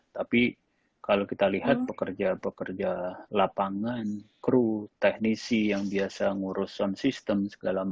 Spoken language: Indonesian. tapi kalau kita lihat pekerja pekerja lapangan kru teknisi yang biasa ngurus sound system segala macam